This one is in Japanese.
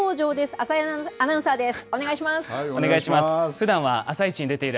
浅井アナウンサーです。